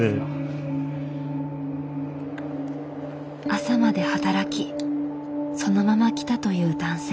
朝まで働きそのまま来たという男性。